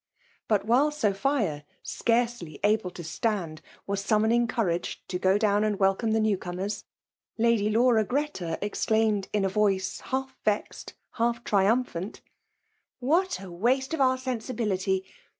But while Sophia^ scarcely able to stand, was summoning courage to go down and welcome the new comers. Lady Laura Greta exclaimed in a voice half vexed, half triumphant —'' What a waste of our sensibility